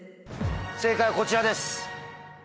正解はこちらです。